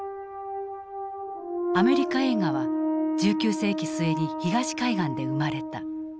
アメリカ映画は１９世紀末に東海岸で生まれた。